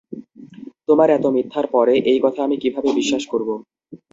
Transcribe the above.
তোমার এতো মিথ্যার পরে, এই কথা আমি কিভাবে বিশ্বাস করবো?